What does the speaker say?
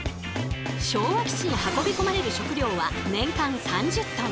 昭和基地に運びこまれる食料は年間３０トン。